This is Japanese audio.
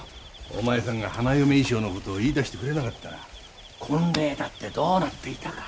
お前さんが花嫁衣装の事を言いだしてくれなかったら婚礼だってどうなっていたか。